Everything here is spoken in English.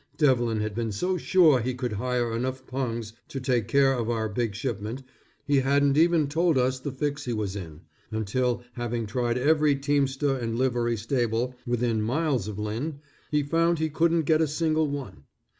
Devlin had been so sure he could hire enough pungs to take care of our big shipment, he hadn't even told us the fix he was in, until having tried every teamster and livery stable within miles of Lynn, he found he couldn't get a single one.